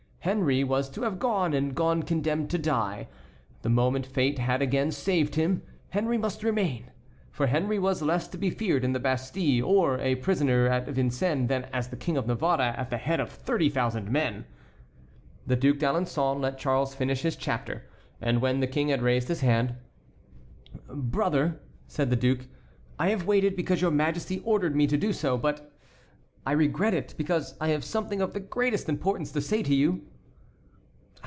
Henry was to have gone, and gone condemned to die. The moment fate had again saved him, Henry must remain; for Henry was less to be feared in the Bastille or as prisoner at Vincennes than as the King of Navarre at the head of thirty thousand men. The Duc d'Alençon let Charles finish his chapter, and when the King had raised his head: "Brother," said the duke, "I have waited because your Majesty ordered me to do so, but I regret it, because I have something of the greatest importance to say to you."